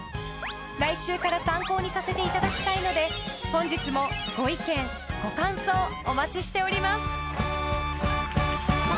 来週から参考にさせていただきたいので本日もご意見、ご感想お待ちしております。